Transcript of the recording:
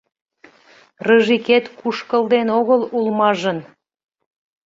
Рыжикет кушкылден огыл улмажын.